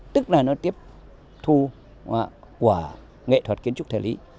tức là nó tiếp tục nằm ngay trên móng nền thời lý